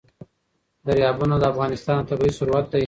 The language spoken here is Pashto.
دریابونه د افغانستان طبعي ثروت دی.